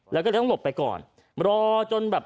แล้วก็เลยต้องหลบไปก่อน